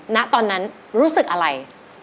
ณตอนนั้นรู้สึกอะไร